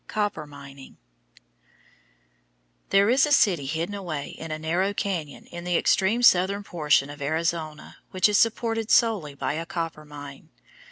COPPER MINING There is a city hidden away in a narrow cañon in the extreme southern portion of Arizona which is supported solely by a copper mine.